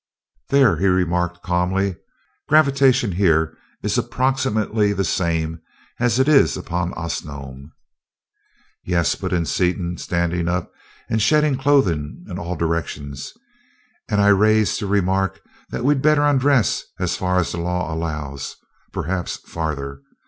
"There," he remarked calmly, "gravitation here is approximately the same as it is upon Osnome." "Yes," put in Seaton, standing up and shedding clothing in all directions, "and I rise to remark that we'd better undress as far as the law allows perhaps farther.